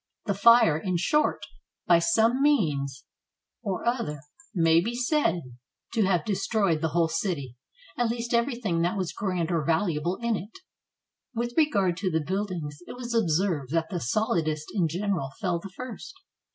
The fire, in short, by some means or other, may be said 627 PORTUGAL to have destroyed the whole city, at least everything that was grand or valuable in it. With regard to the buildings, it was observed that the solidest in general fell the first.